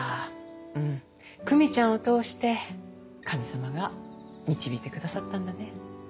うん久美ちゃんを通して神様が導いてくださったんだね。